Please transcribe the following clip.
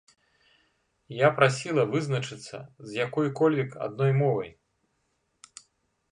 Я прасіла вызначыцца з якой-кольвек адной мовай.